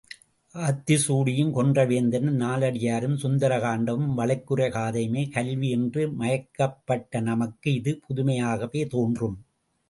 ஆத்திசூடியும், கொன்றைவேத்தனும், நாலடியாரும், சுந்தர காண்டமும், வழக்குரை காதையுமே கல்வி என்ற மயக்கப்பட்ட நமக்கு, இது புதுமையாகவே தோன்றும்.